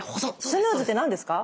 スヌーズって何ですか？